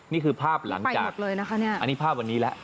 นี่คือภาพหลังจากอันนี้ภาพวันนี้แหละ